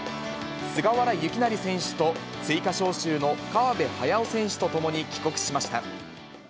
菅原由勢選手と追加招集の川辺駿選手と共に帰国しました。